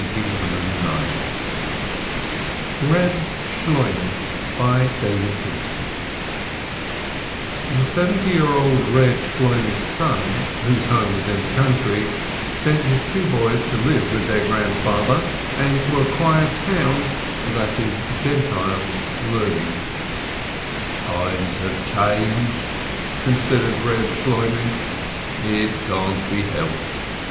21 EEB SHLOIMEH The seventy year old Eeb Shloimeh's son, whose home was in the country, sent his two boys to live with their grandfather and acquire town, that is, Gentile, learning. "Times have changed," considered Reb Shloimeh ; "it can't be helped